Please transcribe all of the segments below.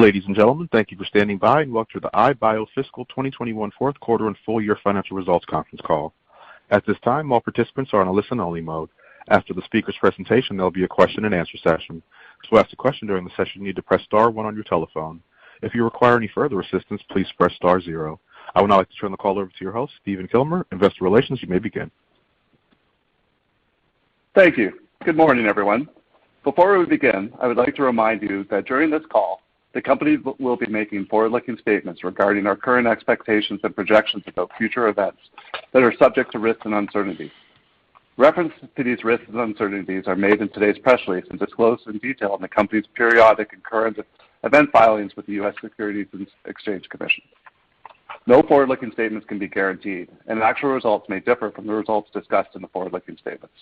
Ladies and gentlemen, thank you for standing by, and welcome to the iBio Fiscal 2021 Fourth Quarter and Full Year Financial Results Conference Call. At this time, all participants are in a listen-only mode. After the speakers' presentation, there will be a question-and-answer session. To ask a question during the session, you need to press star one on your telephone. If you require any further assistance, please press star zero. I would now like to turn the call over to your host, Stephen Kilmer, Investor Relations. You may begin. Thank you. Good morning, everyone. Before we begin, I would like to remind you that during this call, the company will be making forward-looking statements regarding our current expectations and projections about future events that are subject to risks and uncertainties. References to these risks and uncertainties are made in today's press release and disclosed in detail in the company's periodic and current event filings with the U.S. Securities and Exchange Commission. No forward-looking statements can be guaranteed, and actual results may differ from the results discussed in the forward-looking statements.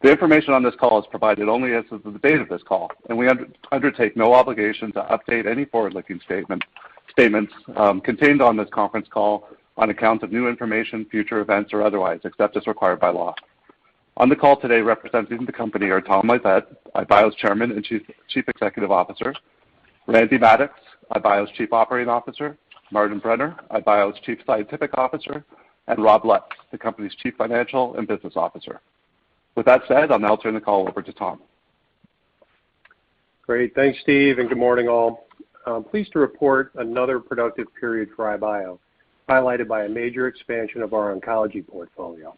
The information on this call is provided only as of the date of this call, and we undertake no obligation to update any forward-looking statements contained on this conference call on account of new information, future events, or otherwise, except as required by law. On the call today, representing the company are Tom Isett, iBio's Chairman and Chief Executive Officer, Randy Maddux, iBio's Chief Operating Officer, Martin Brenner, iBio's Chief Scientific Officer, and Rob Lutz, the company's Chief Financial and Business Officer. With that said, I'll now turn the call over to Tom. Great. Thanks, Steve, good morning, all. I'm pleased to report another productive period for iBio, highlighted by a major expansion of our oncology portfolio.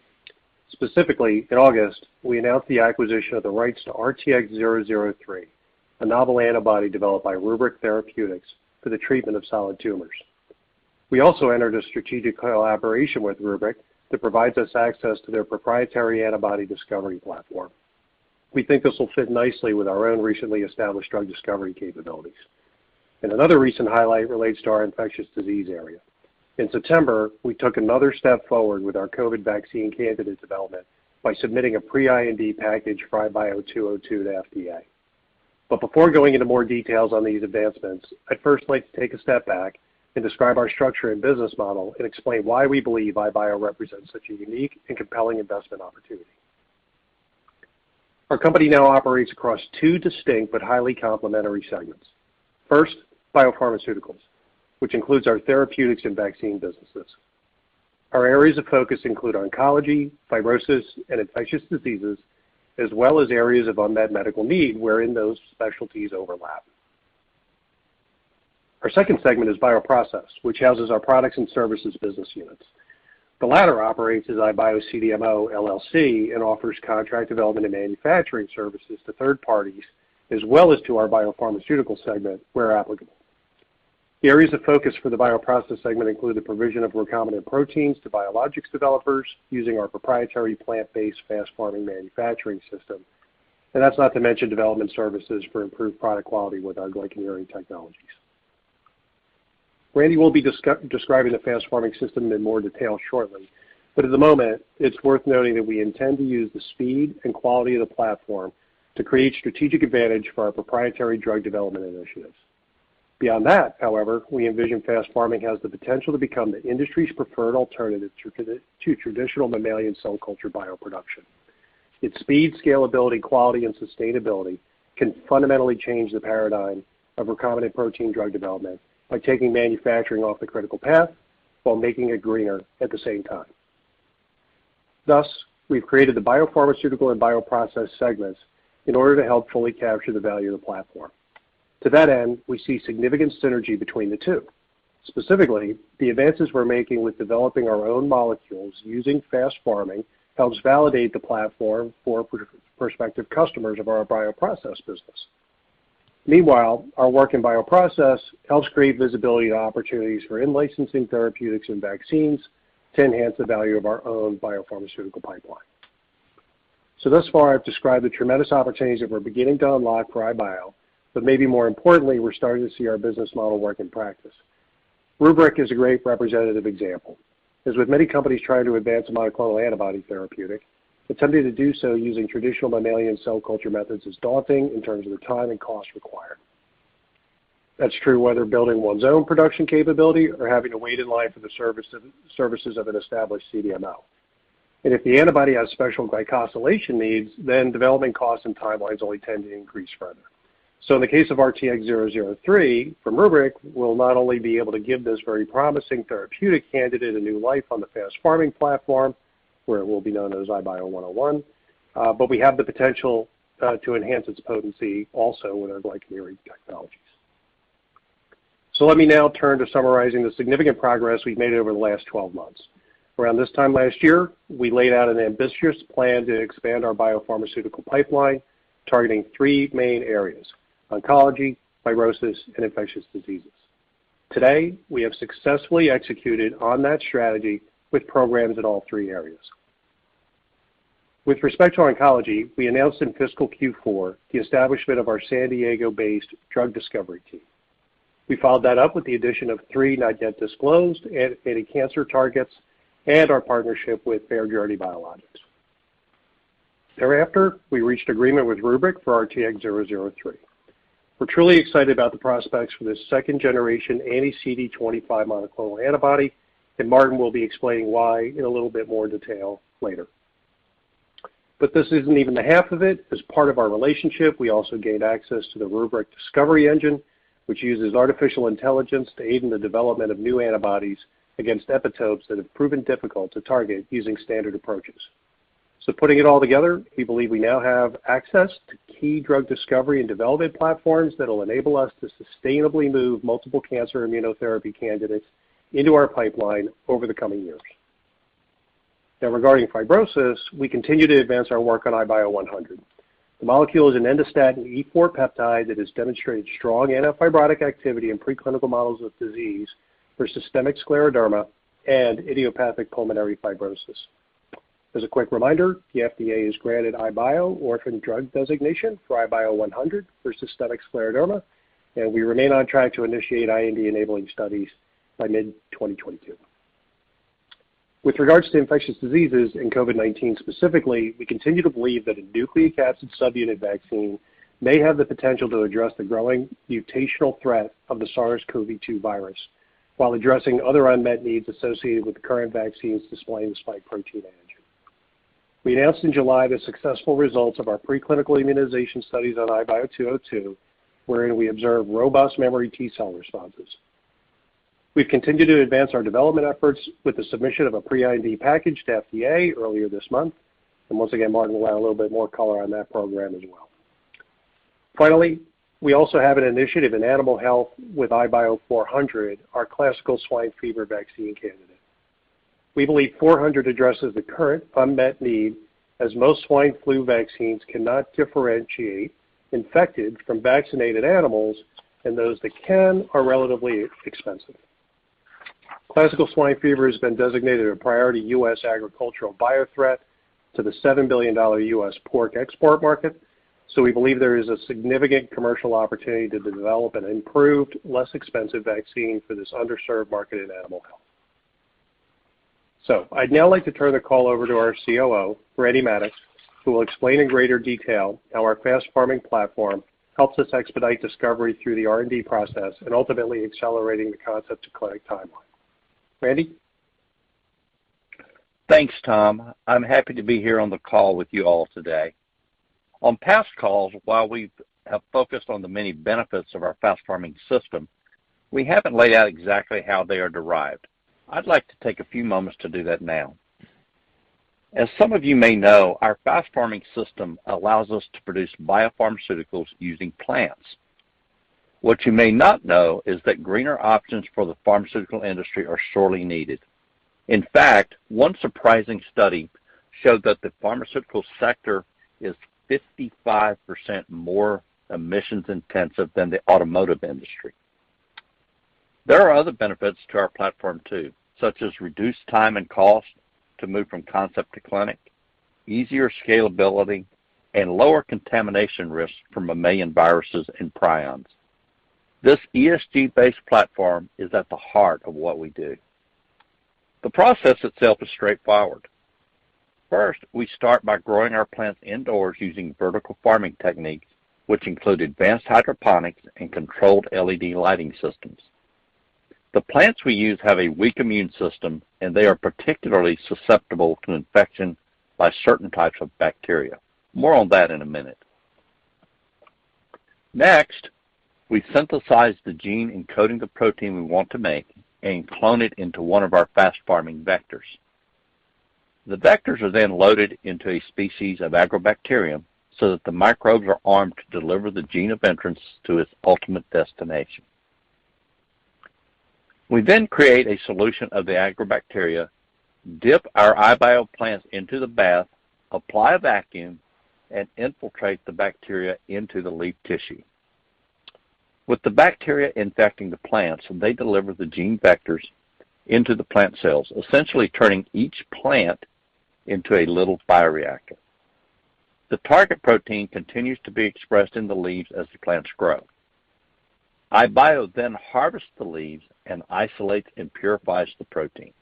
Specifically, in August, we announced the acquisition of the rights to RTX-003, a novel antibody developed by RubrYc Therapeutics for the treatment of solid tumors. We also entered a strategic collaboration with RubrYc that provides us access to their proprietary antibody discovery platform. We think this will fit nicely with our own recently established drug discovery capabilities. Another recent highlight relates to our infectious disease area. In September, we took another step forward with our COVID vaccine candidate development by submitting a pre-IND package for IBIO-202 to FDA. Before going into more details on these advancements, I'd first like to take a step back and describe our structure and business model and explain why we believe iBio represents such a unique and compelling investment opportunity. Our company now operates across two distinct but highly complementary segments. First, biopharmaceuticals, which includes our therapeutics and vaccine businesses. Our areas of focus include oncology, fibrosis, and infectious diseases, as well as areas of unmet medical need wherein those specialties overlap. Our second segment is bioprocess, which houses our products and services business units. The latter operates as iBio CDMO LLC and offers contract development and manufacturing services to third parties, as well as to our biopharmaceutical segment, where applicable. The areas of focus for the bioprocess segment include the provision of recombinant proteins to biologics developers using our proprietary plant-based FastPharming manufacturing system. That's not to mention development services for improved product quality with our glycan engineering technologies. Randy will be describing the FastPharming system in more detail shortly. At the moment, it's worth noting that we intend to use the speed and quality of the platform to create strategic advantage for our proprietary drug development initiatives. Beyond that, however, we envision FastPharming has the potential to become the industry's preferred alternative to traditional mammalian cell culture bioproduction. Its speed, scalability, quality, and sustainability can fundamentally change the paradigm of recombinant protein drug development by taking manufacturing off the critical path while making it greener at the same time. Thus, we've created the biopharmaceutical and bioprocess segments in order to help fully capture the value of the platform. To that end, we see significant synergy between the two. Specifically, the advances we're making with developing our own molecules using FastPharming helps validate the platform for prospective customers of our bioprocess business. Meanwhile, our work in bioprocess helps create visibility to opportunities for in-licensing therapeutics and vaccines to enhance the value of our own biopharmaceutical pipeline. Thus far, I've described the tremendous opportunities that we're beginning to unlock for iBio, but maybe more importantly, we're starting to see our business model work in practice. RubrYc is a great representative example. As with many companies trying to advance a monoclonal antibody therapeutic, attempting to do so using traditional mammalian cell culture methods is daunting in terms of the time and cost required. That's true whether building one's own production capability or having to wait in line for the services of an established CDMO. If the antibody has special glycosylation needs, then development costs and timelines only tend to increase further. In the case of RTX-003 from RubrYc, we'll not only be able to give this very promising therapeutic candidate a new life on the FastPharming platform, where it will be known as IBIO-101, but we have the potential to enhance its potency also with our glycan engineering technologies. Let me now turn to summarizing the significant progress we've made over the last 12 months. Around this time last year, we laid out an ambitious plan to expand our biopharmaceutical pipeline, targeting three main areas, oncology, fibrosis, and infectious diseases. Today, we have successfully executed on that strategy with programs in all three areas. With respect to our oncology, we announced in fiscal Q4 the establishment of our San Diego-based drug discovery team. We followed that up with the addition of three not-yet-disclosed antibody cancer targets and our partnership with FairJourney Biologics. Thereafter, we reached agreement with RubrYc for RTX-003. We're truly excited about the prospects for this second-generation anti-CD25 monoclonal antibody, and Martin will be explaining why in a little bit more detail later. This isn't even the half of it. As part of our relationship, we also gained access to the RubrYc Discovery Engine, which uses artificial intelligence to aid in the development of new antibodies against epitopes that have proven difficult to target using standard approaches. Putting it all together, we believe we now have access to key drug discovery and development platforms that'll enable us to sustainably move multiple cancer immunotherapy candidates into our pipeline over the coming years. Regarding fibrosis, we continue to advance our work on IBIO-100. The molecule is an endostatin E4 peptide that has demonstrated strong antifibrotic activity in preclinical models of disease for systemic scleroderma and idiopathic pulmonary fibrosis. As a quick reminder, the FDA has granted iBio Orphan Drug Designation for IBIO-100 for systemic scleroderma, and we remain on track to initiate IND-enabling studies by mid-2022. With regards to infectious diseases and COVID-19 specifically, we continue to believe that a nucleocapsid subunit vaccine may have the potential to address the growing mutational threat of the SARS-CoV-2 virus while addressing other unmet needs associated with the current vaccines displaying the spike protein antigen. We announced in July the successful results of our preclinical immunization studies on IBIO-202, wherein we observed robust memory T cell responses. We've continued to advance our development efforts with the submission of a pre-IND package to FDA earlier this month. Once again, Martin will add a little bit more color on that program as well. Finally, we also have an initiative in animal health with IBIO-400, our classical swine fever vaccine candidate. We believe 400 addresses the current unmet need, as most swine flu vaccines cannot differentiate infected from vaccinated animals, and those that can are relatively expensive. Classical swine fever has been designated a priority U.S. agricultural biothreat to the $7 billion U.S. pork export market, we believe there is a significant commercial opportunity to develop an improved, less expensive vaccine for this underserved market in animal health. I'd now like to turn the call over to our Chief Operating Officer, Randy Maddux, who will explain in greater detail how our FastPharming platform helps us expedite discovery through the R&D process and ultimately accelerating the concept to clinic timeline. Randy? Thanks, Tom. I'm happy to be here on the call with you all today. On past calls, while we have focused on the many benefits of our FastPharming system, we haven't laid out exactly how they are derived. I'd like to take a few moments to do that now. As some of you may know, our FastPharming system allows us to produce biopharmaceuticals using plants. What you may not know is that greener options for the pharmaceutical industry are sorely needed. In fact, one surprising study showed that the pharmaceutical sector is 55% more emissions intensive than the automotive industry. There are other benefits to our platform too, such as reduced time and cost to move from concept to clinic, easier scalability, and lower contamination risk from mammalian viruses and prions. This ESG-based platform is at the heart of what we do. The process itself is straightforward. First, we start by growing our plants indoors using vertical farming techniques, which include advanced hydroponics and controlled LED lighting systems. The plants we use have a weak immune system, and they are particularly susceptible to infection by certain types of bacteria. More on that in a minute. Next, we synthesize the gene encoding the protein we want to make and clone it into one of our FastPharming vectors. The vectors are then loaded into a species of Agrobacterium so that the microbes are armed to deliver the gene of interest to its ultimate destination. We create a solution of the Agrobacteria, dip our iBio plants into the bath, apply a vacuum, and infiltrate the bacteria into the leaf tissue. With the bacteria infecting the plants, they deliver the gene vectors into the plant cells, essentially turning each plant into a little bioreactor. The target protein continues to be expressed in the leaves as the plants grow. iBio harvests the leaves and isolates and purifies the protein.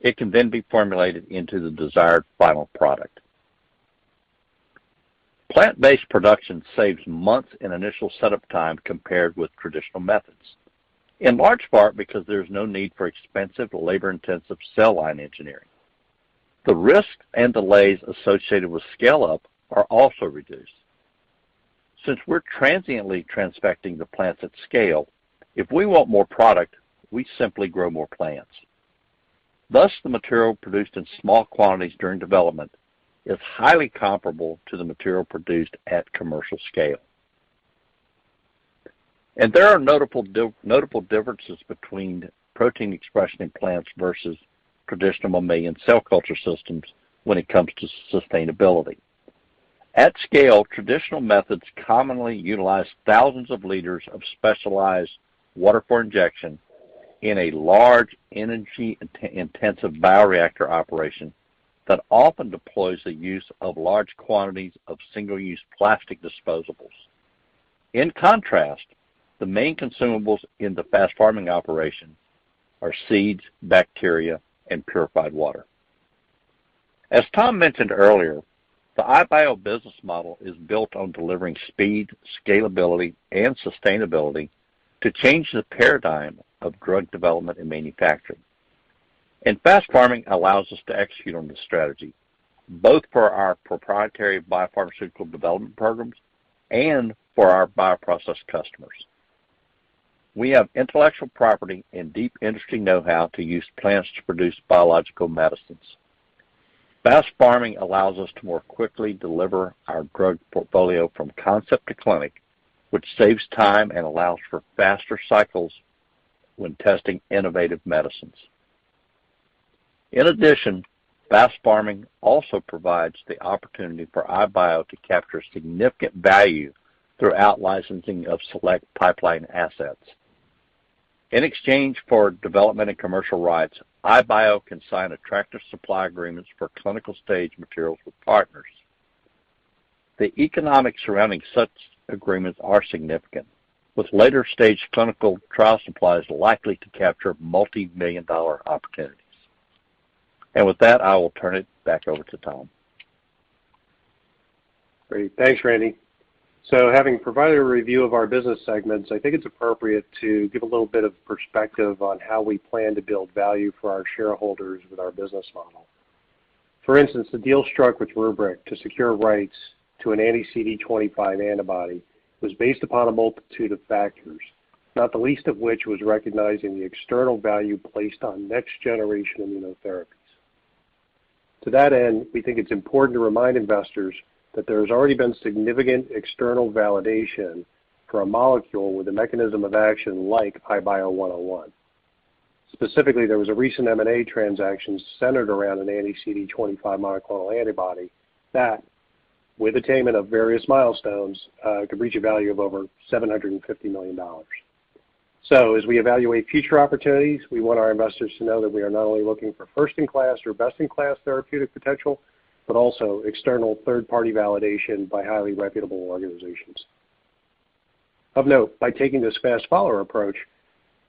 It can be formulated into the desired final product. Plant-based production saves months in initial setup time compared with traditional methods, in large part because there's no need for expensive, labor-intensive cell line engineering. The risks and delays associated with scale-up are also reduced. Since we're transiently transfecting the plants at scale, if we want more product, we simply grow more plants. Thus, the material produced in small quantities during development is highly comparable to the material produced at commercial scale. There are notable differences between protein expression in plants versus traditional mammalian cell culture systems when it comes to sustainability. At scale, traditional methods commonly utilize thousands of liters of specialized water for injection in a large energy-intensive bioreactor operation that often deploys the use of large quantities of single-use plastic disposables. In contrast, the main consumables in the FastPharming operation are seeds, bacteria, and purified water. As Tom mentioned earlier, the iBio business model is built on delivering speed, scalability, and sustainability to change the paradigm of drug development and manufacturing. FastPharming allows us to execute on this strategy, both for our proprietary biopharmaceutical development programs and for our bioprocess customers. We have intellectual property and deep industry know-how to use plants to produce biological medicines. FastPharming allows us to more quickly deliver our drug portfolio from concept to clinic, which saves time and allows for faster cycles when testing innovative medicines. In addition, FastPharming also provides the opportunity for iBio to capture significant value through out-licensing of select pipeline assets. In exchange for development and commercial rights, iBio can sign attractive supply agreements for clinical stage materials with partners. The economics surrounding such agreements are significant, with later-stage clinical trial supplies likely to capture multi-million dollar opportunities. With that, I will turn it back over to Tom. Great. Thanks, Randy. Having provided a review of our business segments, I think it's appropriate to give a little bit of perspective on how we plan to build value for our shareholders with our business model. For instance, the deal struck with RubrYc to secure rights to an anti-CD25 antibody was based upon a multitude of factors, not the least of which was recognizing the external value placed on next generation immunotherapies. To that end, we think it's important to remind investors that there's already been significant external validation for a molecule with a mechanism of action like IBIO-101. Specifically, there was a recent M&A transaction centered around an anti-CD25 monoclonal antibody that, with attainment of various milestones, could reach a value of over $750 million. As we evaluate future opportunities, we want our investors to know that we are not only looking for first-in-class or best-in-class therapeutic potential, but also external third-party validation by highly reputable organizations. Of note, by taking this fast follower approach,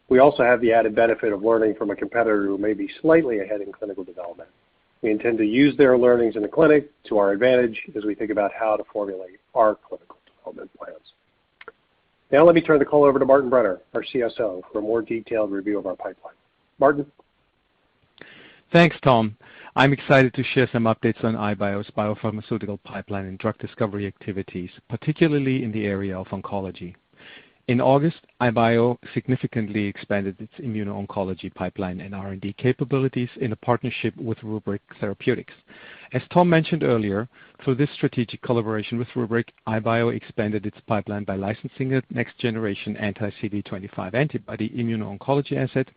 we also have the added benefit of learning from a competitor who may be slightly ahead in clinical development. We intend to use their learnings in the clinic to our advantage as we think about how to formulate our clinical development plans. Now let me turn the call over to Martin Brenner, our CSO, for a more detailed review of our pipeline. Martin? Thanks, Tom. I'm excited to share some updates on iBio's biopharmaceutical pipeline and drug discovery activities, particularly in the area of oncology. In August, iBio significantly expanded its immuno-oncology pipeline and R&D capabilities in a partnership with RubrYc Therapeutics. As Tom mentioned earlier, through this strategic collaboration with RubrYc, iBio expanded its pipeline by licensing a next-generation anti-CD25 antibody immuno-oncology asset,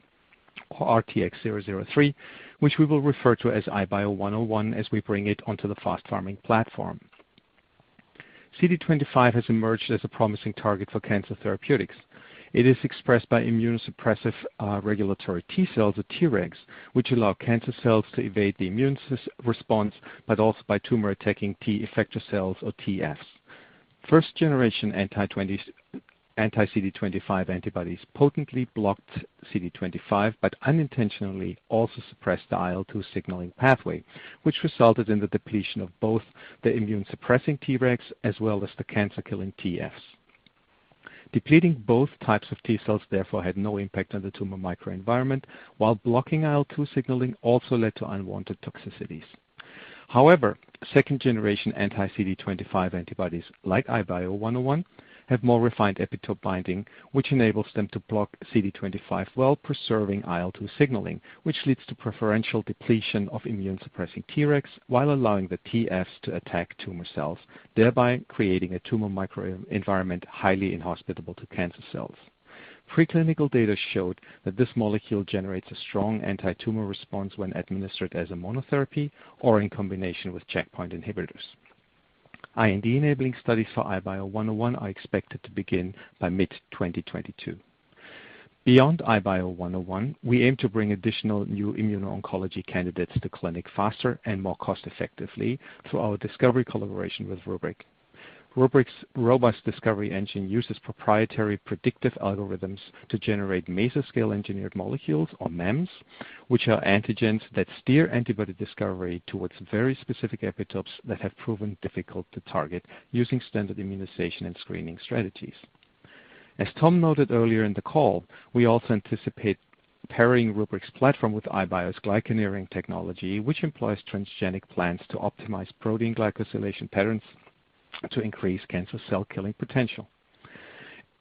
or RTX-003, which we will refer to as IBIO-101 as we bring it onto the FastPharming platform. CD25 has emerged as a promising target for cancer therapeutics. It is expressed by immunosuppressive, regulatory T cells, or Tregs, which allow cancer cells to evade the immune response, but also by tumor-attacking T effector cells, or Teffs. First generation anti-CD25 antibodies potently blocked CD25, but unintentionally also suppressed the IL-2 signaling pathway, which resulted in the depletion of both the immune-suppressing Tregs as well as the cancer-killing Teffs. Depleting both types of T cells, therefore, had no impact on the tumor microenvironment, while blocking IL-2 signaling also led to unwanted toxicities. Second generation anti-CD25 antibodies like IBIO-101 have more refined epitope binding, which enables them to block CD25 while preserving IL-2 signaling, which leads to preferential depletion of immune-suppressing Tregs, while allowing the Teffs to attack tumor cells, thereby creating a tumor microenvironment highly inhospitable to cancer cells. Preclinical data showed that this molecule generates a strong anti-tumor response when administered as a monotherapy or in combination with checkpoint inhibitors. IND enabling studies for IBIO-101 are expected to begin by mid-2022. Beyond IBIO-101, we aim to bring additional new immuno-oncology candidates to clinic faster and more cost-effectively through our discovery collaboration with RubrYc. RubrYc's robust discovery engine uses proprietary predictive algorithms to generate meso-scale engineered molecules, or MEMS, which are antigens that steer antibody discovery towards very specific epitopes that have proven difficult to target using standard immunization and screening strategies. As Tom noted earlier in the call, we also anticipate pairing RubrYc's platform with iBio's glycoengineering technology, which employs transgenic plants to optimize protein glycosylation patterns to increase cancer cell killing potential.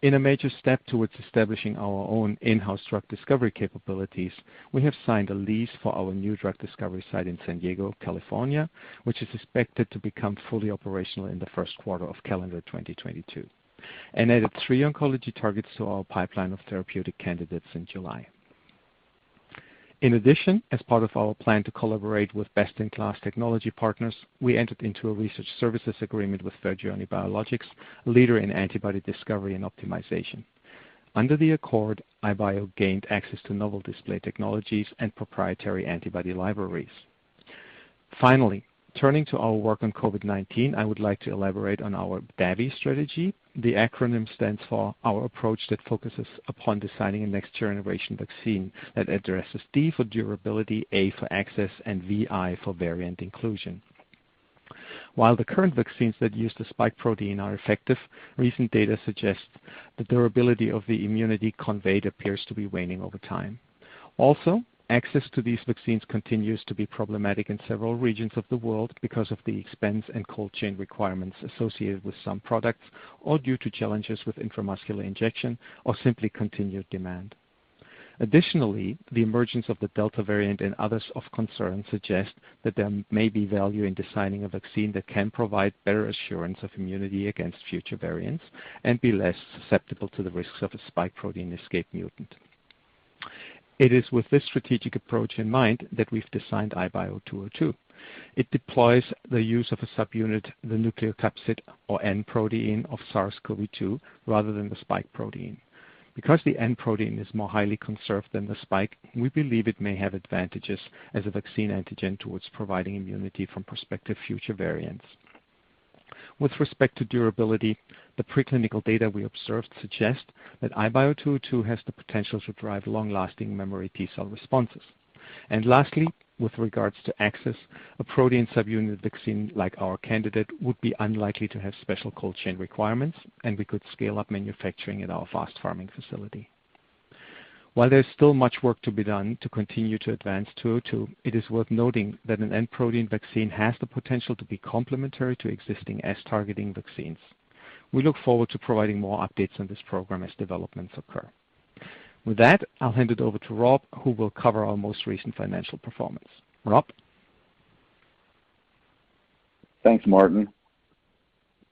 In a major step towards establishing our own in-house drug discovery capabilities, we have signed a lease for our new drug discovery site in San Diego, California, which is expected to become fully operational in the first quarter of calendar 2022, and added three oncology targets to our pipeline of therapeutic candidates in July. In addition, as part of our plan to collaborate with best-in-class technology partners, we entered into a research services agreement with FairJourney Biologics, a leader in antibody discovery and optimization. Under the accord, iBio gained access to novel display technologies and proprietary antibody libraries. Finally, turning to our work on COVID-19, I would like to elaborate on our DAVI strategy. The acronym stands for our approach that focuses upon designing a next generation vaccine that addresses D for durability, A for access, and VI for variant inclusion. While the current vaccines that use the spike protein are effective, recent data suggests the durability of the immunity conveyed appears to be waning over time. Access to these vaccines continues to be problematic in several regions of the world because of the expense and cold chain requirements associated with some products, or due to challenges with intramuscular injection, or simply continued demand. Additionally, the emergence of the Delta variant and others of concern suggest that there may be value in designing a vaccine that can provide better assurance of immunity against future variants and be less susceptible to the risks of a spike protein escape mutant. It is with this strategic approach in mind that we've designed IBIO-202. It deploys the use of a subunit, the nucleocapsid, or N protein of SARS-CoV-2 rather than the spike protein. Because the N protein is more highly conserved than the spike, we believe it may have advantages as a vaccine antigen towards providing immunity from prospective future variants. With respect to durability, the preclinical data we observed suggest that IBIO-202 has the potential to drive long-lasting memory T cell responses. Lastly, with regards to access, a protein subunit vaccine like our candidate would be unlikely to have special cold chain requirements, and we could scale up manufacturing at our FastPharming facility. While there's still much work to be done to continue to advance 202, it is worth noting that an N protein vaccine has the potential to be complementary to existing S-targeting vaccines. We look forward to providing more updates on this program as developments occur. With that, I'll hand it over to Rob, who will cover our most recent financial performance. Rob? Thanks, Martin.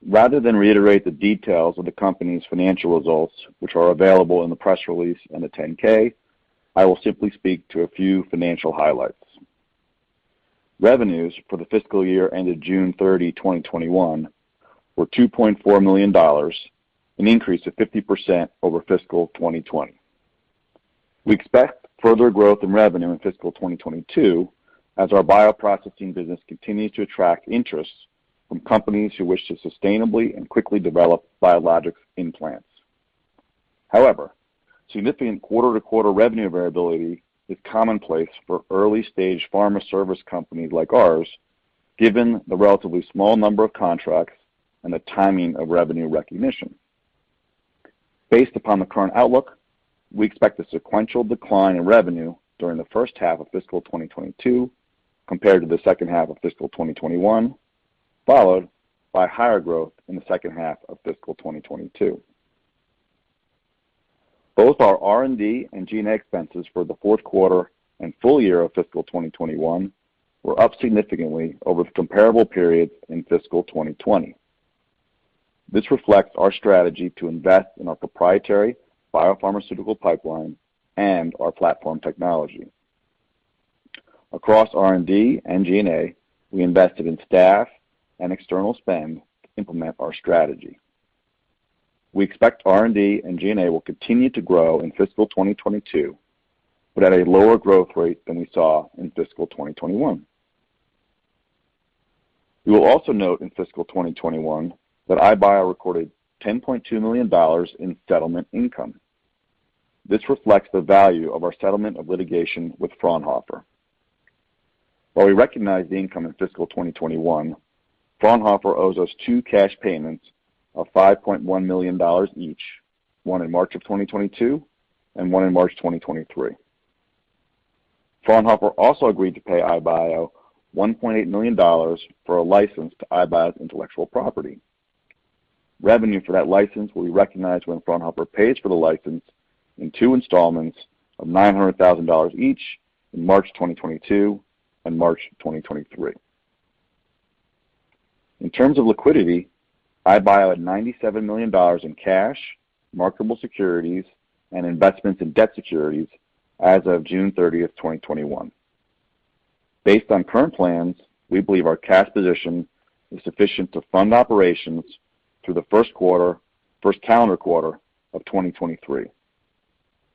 Rather than reiterate the details of the company's financial results, which are available in the press release and the 10-K, I will simply speak to a few financial highlights. Revenues for the fiscal year ended June 30, 2021, were $2.4 million, an increase of 50% over fiscal 2020. We expect further growth in revenue in fiscal 2022 as our bioprocessing business continues to attract interest from companies who wish to sustainably and quickly develop biologics products. However, significant quarter-to-quarter revenue variability is commonplace for early-stage pharma service companies like ours, given the relatively small number of contracts and the timing of revenue recognition. Based upon the current outlook, we expect a sequential decline in revenue during the first half of fiscal 2022 compared to the second half of fiscal 2021, followed by higher growth in the second half of fiscal 2022. Both our R&D and G&A expenses for the fourth quarter and full year of fiscal 2021 were up significantly over the comparable period in fiscal 2020. This reflects our strategy to invest in our proprietary biopharmaceutical pipeline and our platform technology. Across R&D and G&A, we invested in staff and external spend to implement our strategy. We expect R&D and G&A will continue to grow in fiscal 2022, but at a lower growth rate than we saw in fiscal 2021. You will also note in fiscal 2021 that iBio recorded $10.2 million in settlement income. This reflects the value of our settlement of litigation with Fraunhofer. While we recognize the income in fiscal 2021, Fraunhofer owes us two cash payments of $5.1 million each, one in March of 2022 and one in March 2023. Fraunhofer also agreed to pay iBio $1.8 million for a license to iBio's intellectual property. Revenue for that license will be recognized when Fraunhofer pays for the license in two installments of $900,000 each in March 2022 and March 2023. In terms of liquidity, iBio had $97 million in cash, marketable securities, and investments in debt securities as of June 30th, 2021. Based on current plans, we believe our cash position is sufficient to fund operations through the first calendar quarter of 2023.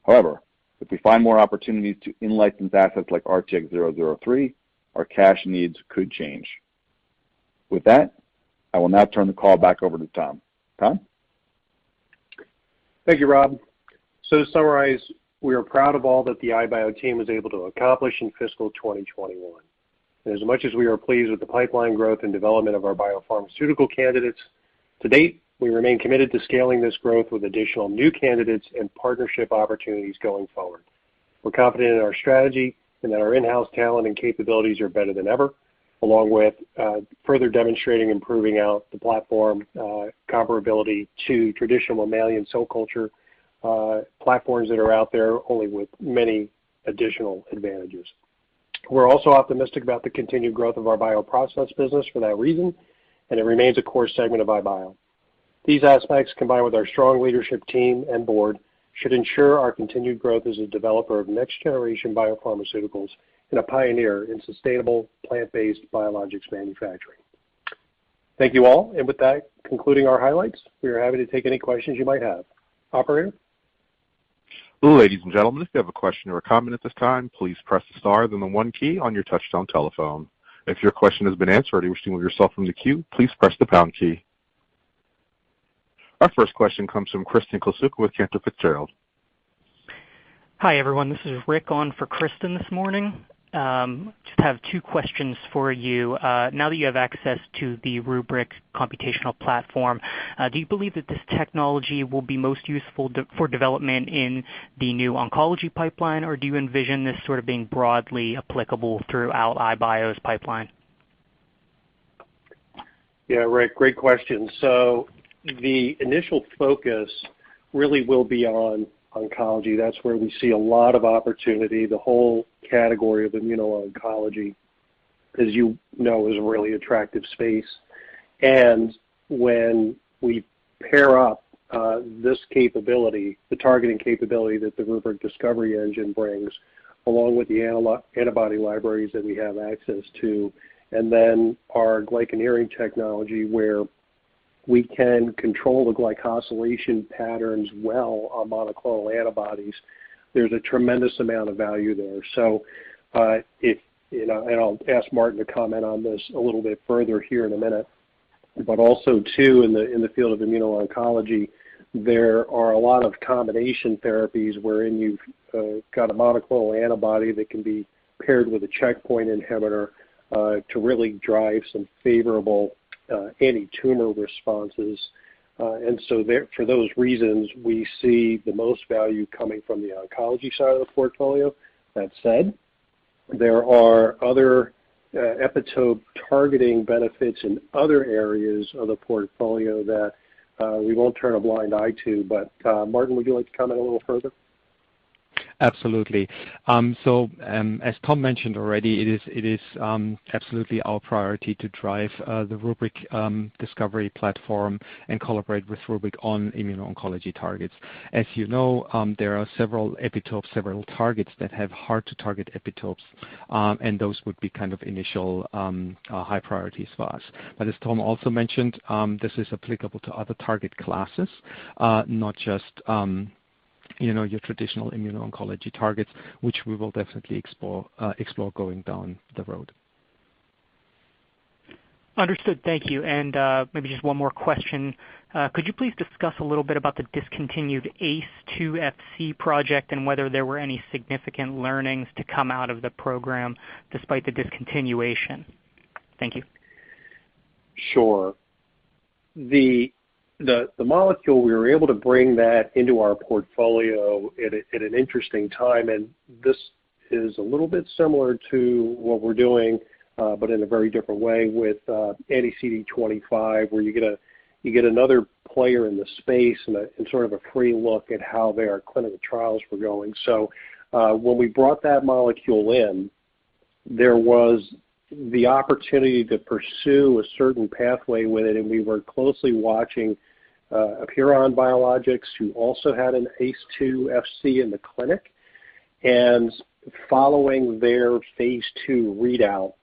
If we find more opportunities to in-license assets like RTX-003, our cash needs could change. With that, I will now turn the call back over to Tom. Tom? Thank you, Rob. To summarize, we are proud of all that the iBio team was able to accomplish in fiscal 2021. As much as we are pleased with the pipeline growth and development of our biopharmaceutical candidates to date, we remain committed to scaling this growth with additional new candidates and partnership opportunities going forward. We're confident in our strategy and that our in-house talent and capabilities are better than ever, along with further demonstrating and proving out the platform comparability to traditional mammalian cell culture platforms that are out there, only with many additional advantages. We're also optimistic about the continued growth of our bioprocess business for that reason, and it remains a core segment of iBio. These aspects, combined with our strong leadership team and board, should ensure our continued growth as a developer of next-generation biopharmaceuticals and a pioneer in sustainable plant-based biologics manufacturing. Thank you all. With that, concluding our highlights, we are happy to take any questions you might have. Operator? Our first question comes from Kristen Kluska with Cantor Fitzgerald. Hi, everyone. This is Rick on for Kristen this morning. Just have two questions for you. Now that you have access to the RubrYc computational platform, do you believe that this technology will be most useful for development in the new oncology pipeline? Or do you envision this sort of being broadly applicable throughout iBio's pipeline? Yeah, Rick, great question. The initial focus really will be on oncology. That's where we see a lot of opportunity. The whole category of immuno-oncology, as you know, is a really attractive space. When we pair up this capability, the targeting capability that the RubrYc Discovery Engine brings, along with the antibody libraries that we have access to, and then our glycan engineering technology, where we can control the glycosylation patterns well on monoclonal antibodies, there's a tremendous amount of value there. I'll ask Martin to comment on this a little bit further here in a minute. Also, too, in the field of immuno-oncology, there are a lot of combination therapies wherein you've got a monoclonal antibody that can be paired with a checkpoint inhibitor to really drive some favorable anti-tumor responses. For those reasons, we see the most value coming from the oncology side of the portfolio. That said, there are other epitope targeting benefits in other areas of the portfolio that we won't turn a blind eye to. Martin, would you like to comment a little further? Absolutely. As Tom mentioned already, it is absolutely our priority to drive the RubrYc Discovery Engine and collaborate with RubrYc on immuno-oncology targets. As you know, there are several epitopes, several targets that have hard-to-target epitopes, and those would be kind of initial high priorities for us. As Tom also mentioned, this is applicable to other target classes, not just your traditional immuno-oncology targets, which we will definitely explore going down the road. Understood. Thank you. Maybe just one more question. Could you please discuss a little bit about the discontinued ACE2-Fc project and whether there were any significant learnings to come out of the program despite the discontinuation? Thank you. Sure. The molecule, we were able to bring that into our portfolio at an interesting time, and this is a little bit similar to what we're doing, but in a very different way with anti-CD25, where you get another player in the space and sort of a pre-look at how their clinical trials were going. When we brought that molecule in, there was the opportunity to pursue a certain pathway with it, and we were closely watching Apeiron Biologics, who also had an ACE2-Fc in the clinic. Following their phase II readout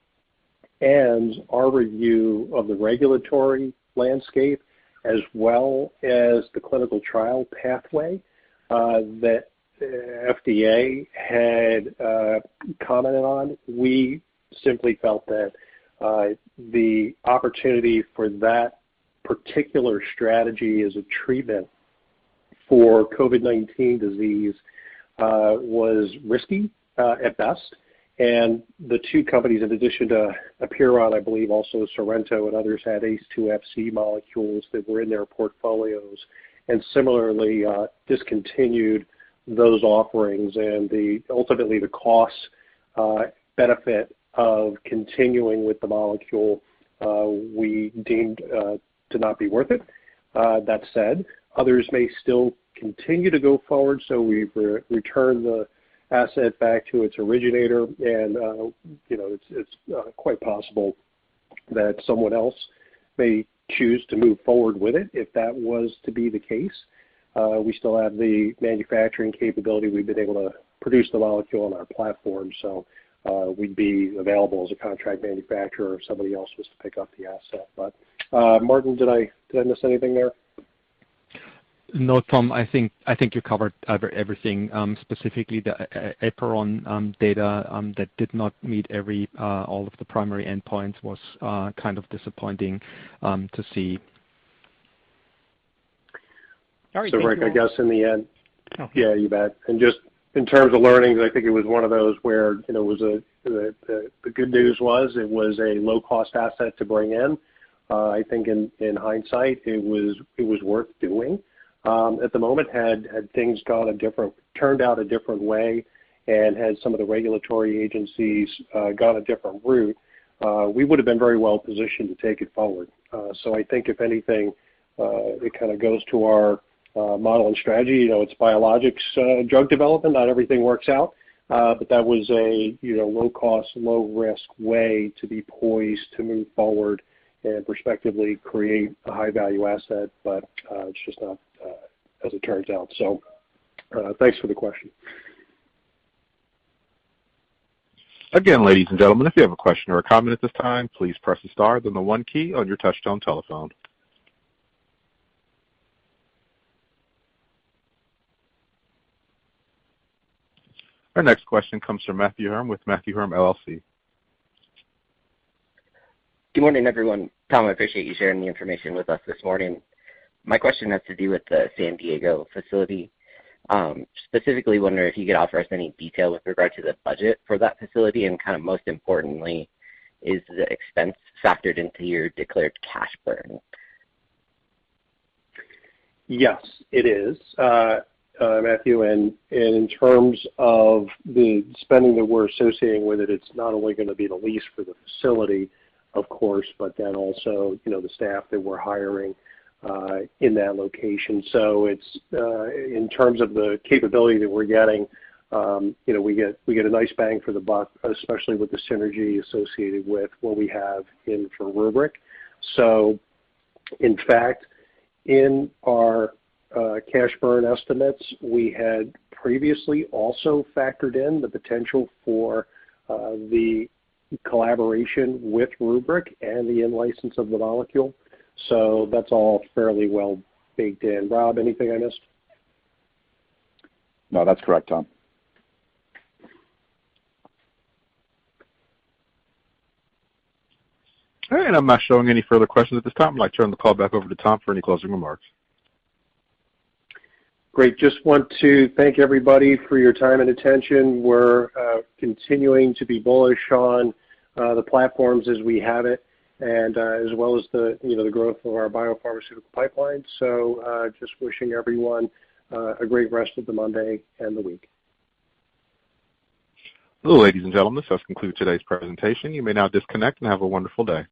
and our review of the regulatory landscape as well as the clinical trial pathway that FDA had commented on, we simply felt that the opportunity for that particular strategy as a treatment for COVID-19 disease was risky at best. The two companies, in addition to Apeiron, I believe also Sorrento and others, had ACE2-Fc molecules that were in their portfolios and similarly discontinued those offerings. Ultimately, the cost benefit of continuing with the molecule we deemed to not be worth it. That said, others may still continue to go forward, so we've returned the asset back to its originator, and it's quite possible that someone else may choose to move forward with it. If that was to be the case, we still have the manufacturing capability. We've been able to produce the molecule on our platform, so we'd be available as a contract manufacturer if somebody else was to pick up the asset. Martin, did I miss anything there? No, Tom, I think you covered everything. Specifically, the Apeiron data that did not meet all of the primary endpoints was kind of disappointing to see. All right, thank you. Rick, I guess in the end Yeah, you bet. Just in terms of learnings, I think it was one of those where the good news was it was a low-cost asset to bring in. I think in hindsight, it was worth doing. At the moment, had things turned out a different way and had some of the regulatory agencies gone a different route, we would've been very well positioned to take it forward. I think if anything, it kind of goes to our model and strategy. It's biologics drug development. Not everything works out. That was a low cost, low risk way to be poised to move forward and respectively create a high-value asset, but it's just not as it turns out. Thanks for the question. Our next question comes from Matthew Herm with Matthew Herm LLC. Good morning, everyone. Tom, I appreciate you sharing the information with us this morning. My question has to do with the San Diego facility. Specifically wonder if you could offer us any detail with regard to the budget for that facility, and kind of most importantly, is the expense factored into your declared cash burn? Yes, it is, Matthew. In terms of the spending that we're associating with it's not only going to be the lease for the facility, of course, also the staff that we're hiring in that location. In terms of the capability that we're getting, we get a nice bang for the buck, especially with the synergy associated with what we have in for RubrYc. In fact, in our cash burn estimates, we had previously also factored in the potential for the collaboration with RubrYc and the in-license of the molecule. That's all fairly well baked in. Rob, anything I missed? No, that's correct, Tom. All right, I'm not showing any further questions at this time. I'd like to turn the call back over to Tom for any closing remarks. Great. Just want to thank everybody for your time and attention. We're continuing to be bullish on the platforms as we have it and as well as the growth of our biopharmaceutical pipeline. Just wishing everyone a great rest of the Monday and the week. Well, ladies and gentlemen, this does conclude today's presentation. You may now disconnect, and have a wonderful day.